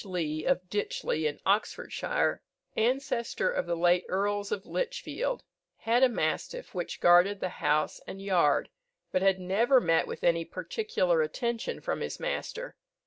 Lee, of Ditchley, in Oxfordshire, ancestor of the late Earls of Lichfield, had a mastiff which guarded the house and yard, but had never met with any particular attention from his master.